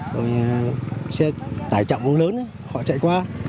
rồi xe tải trọng lớn họ chạy qua